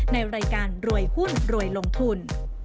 ในรายการรวยหุ้นรวยลงทุน